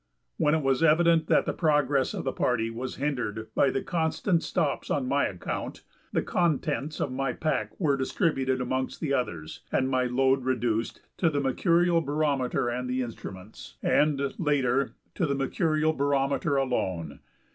When it was evident that the progress of the party was hindered by the constant stops on my account, the contents of my pack were distributed amongst the others and my load reduced to the mercurial barometer and the instruments, and, later, to the mercurial barometer alone.